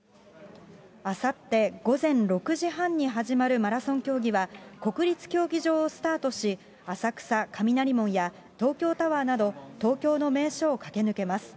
あさって午前６時半に始まるマラソン競技は、国立競技場をスタートし、浅草・雷門や東京タワーなど、東京の名所を駆け抜けます。